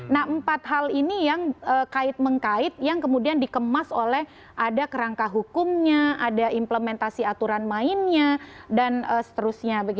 nah empat hal ini yang kait mengkait yang kemudian dikemas oleh ada kerangka hukumnya ada implementasi aturan mainnya dan seterusnya